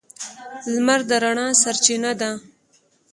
• لمر د رڼا سرچینه ده.